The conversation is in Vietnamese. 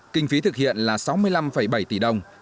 kinh phí thực hiện là sáu mươi năm bảy tỷ đồng